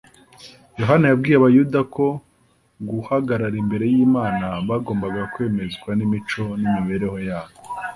Yohana yabwiye Abayuda ko guhagarara imbere y'Imana byagombaga kwemezwa n'imico y'imibereho yabo